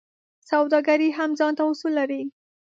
سوداګري هم ځانته اصول لري.